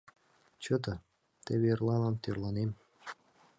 — Чыте, теве эрлалан тӧрланем.